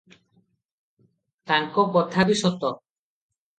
ତାଙ୍କ କଥା ବି ସତ ।